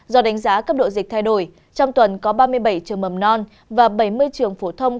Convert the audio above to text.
do đánh giá cấp độ dịch thay đổi trong tuần có ba mươi bảy trường mầm non và bảy mươi trường phổ thông